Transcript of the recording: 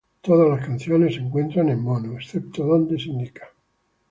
Todas las canciones se encuentran en mono, excepto donde se indica.